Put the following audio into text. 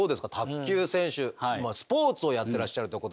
卓球選手スポーツをやってらっしゃるということで。